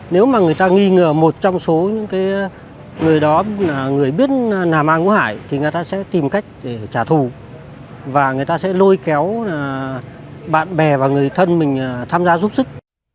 nếu mà người ta nghi ngờ một trong số những người đó là người biết nà ma ngũ hải thì người ta sẽ tìm cách để trả thù và người ta sẽ lôi kéo bạn bè và người thân mình tham gia giúp sức